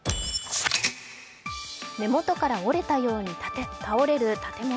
根元から折れたように倒れる建物。